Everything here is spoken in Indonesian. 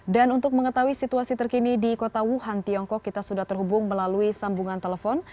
dan untuk mengetahui situasi terkini di kota wuhan tiongkok kita sudah terhubung melalui sambungan telepon